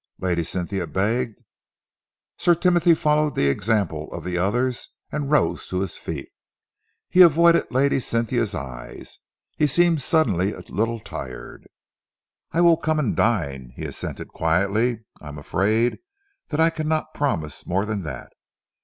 Lady Cynthia begged. Sir Timothy followed the example of the others and rose to his feet. He avoided Lady Cynthia's eyes. He seemed suddenly a little tired. "I will come and dine," he assented quietly. "I am afraid that I cannot promise more than that.